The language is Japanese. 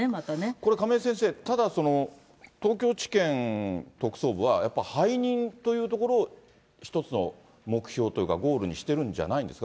これ、亀井先生、ただ、東京地検特捜部はやっぱり背任というところを一つの目標というか、ゴールにしているんじゃないですか。